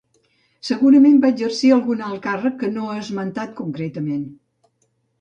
Segurament va exercir algun alt càrrec que no és esmentat concretament.